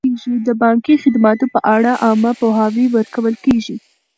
د بانکي خدماتو په اړه عامه پوهاوی ورکول کیږي.